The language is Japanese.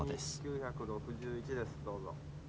９６１ですどうぞ。